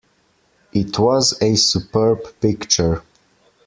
It was a superb picture.